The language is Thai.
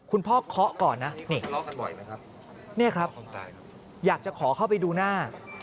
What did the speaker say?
คุณพ่อเคาะก่อนนะนี่ครับอยากจะเคาะเข้าไปดูหน้า